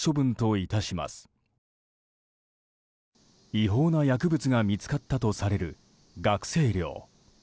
違法な薬物が見つかったとされる学生寮。